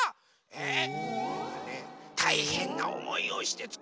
えっ！